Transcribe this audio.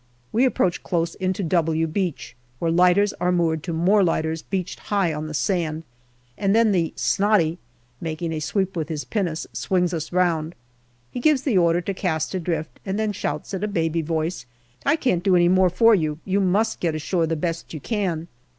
We approach dose into " W " Beach, where lighters are moored to more lighters beached high on the sand, and then the " snotty," making a sweep with his pinnace, swings us round. He gives the order to cast adrift, and then shouts in a baby voice :" I can't do any more for you ; you must get ashore the best you can."